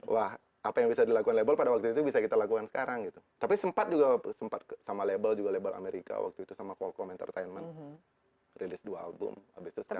wah apa yang bisa dilakukan label pada waktu itu bisa kita lakukan sekarang gitu tapi sempat juga sempat sama label juga label amerika waktu itu sama qualcom entertainment rilis dua album abis itu sekarang